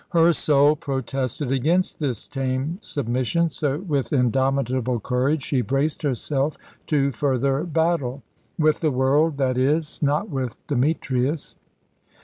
Her soul protested against this tame submission, so with indomitable courage she braced herself to further battle. With the world, that is, not with Demetrius.